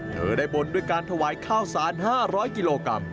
เธอได้บนด้วยการถวายข้าวสาร๕๐๐กิโลกรัม